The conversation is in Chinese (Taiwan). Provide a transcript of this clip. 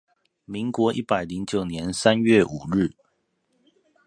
民國一百零九年三月五日